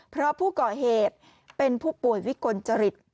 เพราะผู้ก่อเหตุเป็นผู้ป่วยวิกลจริต